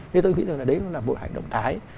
thế tôi nghĩ là đấy là một hành động thái